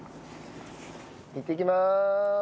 行ってきまーす。